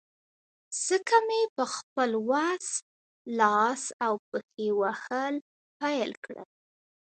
ځکه مې په خپل وس، لاس او پښې وهل پیل کړل.